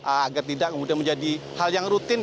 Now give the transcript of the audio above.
agar tidak kemudian menjadi hal yang rutin